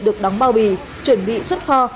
được đóng bao bì chuẩn bị xuất kho